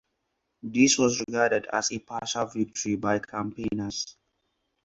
This was regarded as a partial victory by campaigners.